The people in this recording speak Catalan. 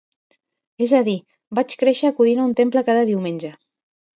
És a dir, vaig créixer acudint a un temple cada diumenge.